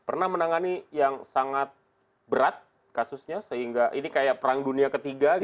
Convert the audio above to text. pernah menangani yang sangat berat kasusnya sehingga ini kayak perang dunia ketiga